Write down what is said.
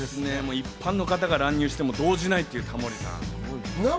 一般の方が乱入しても動じないタモリさん。